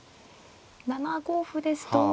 ７五歩ですと。